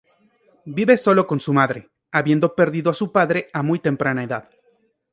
Vive solo con su madre, habiendo perdido a su padre a muy temprana edad.